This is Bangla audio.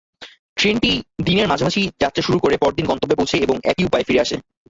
ট্রেনটি দিনের মাঝামাঝি যাত্রা শুরু করে পরদিন গন্তব্যে পৌছে এবং একই উপায়ে ফিরে আসে।